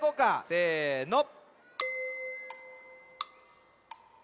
せの。